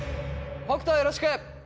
北斗よろしく！